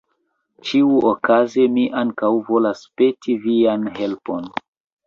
Ĉiuokaze mi ankaŭ volas peti vian helpon.